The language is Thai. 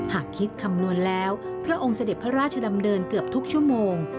หากคิดคำนวณแล้วพระองค์เสด็จพระราชดำเนินเกือบทุกชั่วโมง